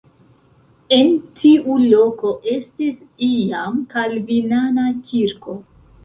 En tiu loko estis iam kalvinana kirko.